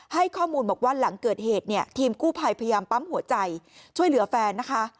ให้ข้อมูลบอกว่าหลังเกิดเหตุเนี่ยทีมกู้ภัยพยายามปั๊มหัวใจช่วยเหลือแฟนนะคะ